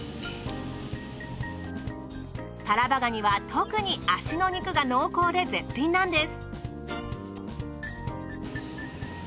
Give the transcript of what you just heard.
タラバガニは特に足の肉が濃厚で絶品なんです。